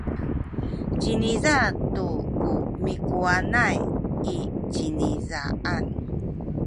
ciniza tu ku mikuwangay i cinizaan.